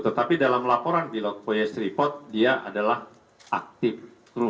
tetapi dalam laporan di lokpoys report dia adalah aktif kru